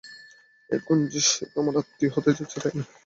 এখন যে সে তোমার আত্মীয় হতে যাচ্ছে, তাই না?